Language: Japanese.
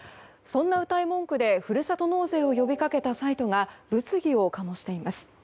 そんなうたい文句でふるさと納税を呼びかけたサイトが物議を醸しています。